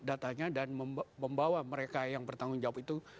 datanya dan membawa mereka yang bertanggung jawab itu